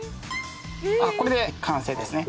これで完成ですね